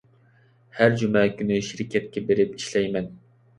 ھەر جۈمە كۈنى شىركەتكە بېرىپ ئىشلەيمەن.